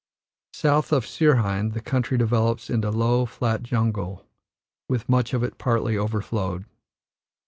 South of Sirhind the country develops into low, flat jungle, with much of it partly overflowed.